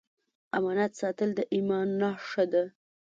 امانت ساتل د ایمان نښه ده.